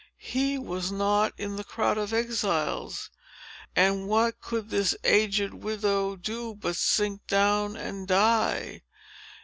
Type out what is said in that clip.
He was not in the crowd of exiles; and what could this aged widow do but sink down and die?